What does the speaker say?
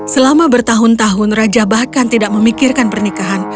selama bertahun tahun raja bahkan tidak memikirkan pernikahan